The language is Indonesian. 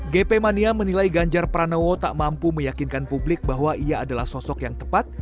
gp mania menilai ganjar pranowo tak mampu meyakinkan publik bahwa ia adalah sosok yang tepat